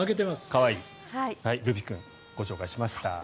可愛い、ルピ君ご紹介しました。